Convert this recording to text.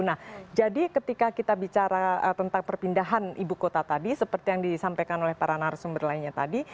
nah jadi ketika kita bicara tentang perpindahan ibu kota tadi seperti yang disampaikan oleh para narasumber lainnya tadi